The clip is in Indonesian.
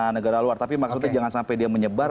negara luar tapi maksudnya jangan sampai dia menyebar